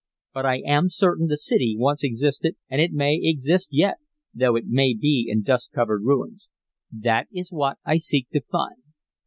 But I am certain the city once existed, and it may exist yet, though it may be in dust covered ruins. That is what I seek to find.